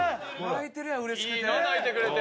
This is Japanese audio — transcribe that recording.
「泣いてるようれしくて」